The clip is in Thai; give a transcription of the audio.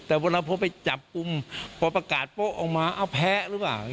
แต่วันนี้พอไปจับปุ่มปอประกาศโป๊ะออกมาเอาแพ้รู้หรือบ้าง